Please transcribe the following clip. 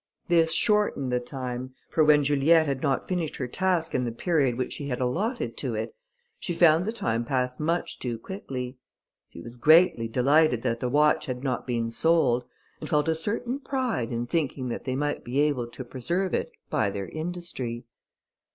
This shortened the time; for when Juliette had not finished her task in the period which she had allotted to it, she found the time pass much too quickly. She was greatly delighted that the watch had not been sold, and felt a certain pride in thinking that they might be able to preserve it by their industry.